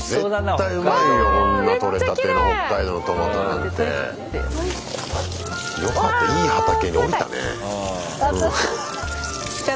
絶対うまいよこんな採れたての北海道のトマトなんて。よかった。